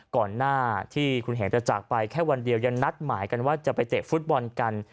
ก่อนหน้าที่คุณเห็นจะจากไปแค่วันเดียวยังนัดหมายกันว่าจะไปเตะฟุตบอลกัน